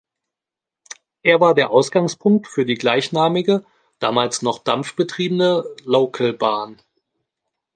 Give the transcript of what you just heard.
Er war der Ausgangspunkt für die gleichnamige, damals noch dampfbetriebene Localbahn.